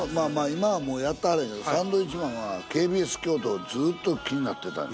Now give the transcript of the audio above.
今はもうやってはらへんけどサンドウィッチマンはＫＢＳ京都ずっと気になってたって。